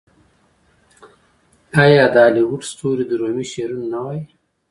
آیا د هالیووډ ستوري د رومي شعرونه نه وايي؟